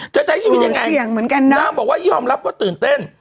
จะใช้ชีวิตยังไงเสี่ยงเหมือนกันน่ะนางบอกว่ายอมรับว่าตื่นเต้น